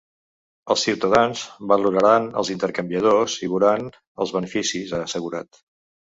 “Els ciutadans valoraran els intercanviadors i voran els beneficis”, ha assegurat.